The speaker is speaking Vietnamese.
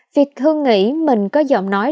phi hương nghĩ mình có giọng nói